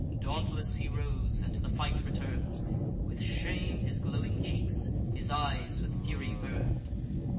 Dauntless he rose, and to the fight return'd; With shame his glowing cheeks, his eyes with fury burn'd.